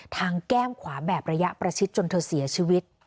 แก้มขวาแบบระยะประชิดจนเธอเสียชีวิต